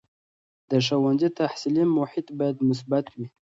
د ښوونځي تحصیلي محیط باید مثبت وي.